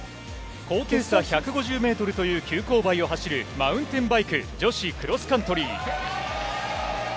高低差１５０メートルという、急こう配を走るマウンテンバイク女子クロスカントリー。